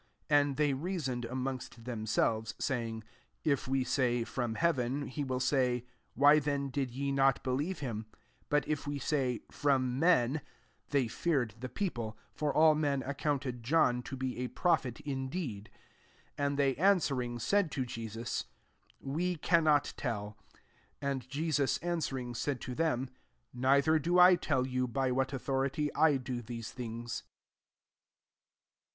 31 And they reasoned amongst themselves, saying, " If we say, * From heaven ;' he will say, * Why then did ye not believe him P 32 But if we say, * From men;' they feared the people: for all men accounted John to be a prophet indeed. 33 And they answering, said to Jesus, " We cannot tell." And Jesus answering, said to them, " Nei ther do I tell you by what au thority I do these things."